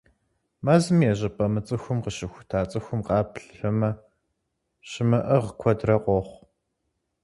Мэзым е щӀыпӀэ мыцӀыхум къыщыхута цӀыхум къэблэмэ щимыӀыгъ куэдрэ къохъу.